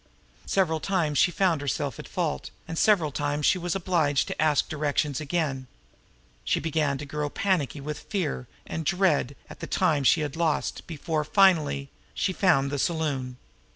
Several times she found herself at fault, and several times she was obliged to ask directions again. She had begun to grow panicky with fear and dread at the time she had lost, before, finally, she found the saloon.